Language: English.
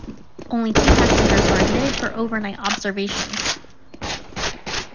Only two passengers were admitted for overnight observations.